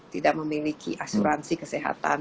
tidak memiliki asuransi kesehatan